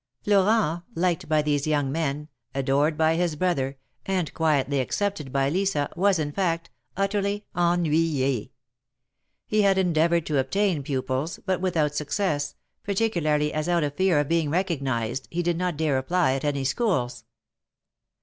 Florent, liked by these young men, adored by his brother, and quietly accepted by Lisa, was, in fact, utterly ennuye. He had endeavored to obtain pupils, but without success, particularly, as out of fear of being recog nized, he did not dare apply at any schools.